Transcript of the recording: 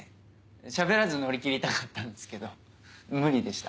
しゃべらず乗り切りたかったんですけど無理でした。